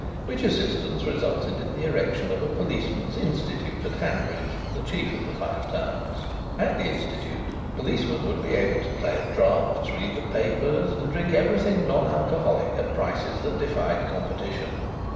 Which assistance resulted in the erection of a Policemen's Institute at Hanbridge, the chief of the Five Towns. At the Institute policemen would be able to play at draughts, read the papers, and drink everything non alcoholic at prices that defied competition.